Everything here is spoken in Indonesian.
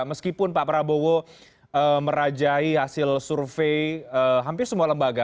meskipun pak prabowo merajai hasil survei hampir semua lembaga